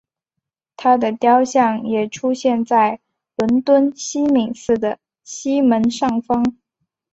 她的雕像也出现在伦敦西敏寺的西门上方。